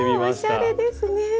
おしゃれですね！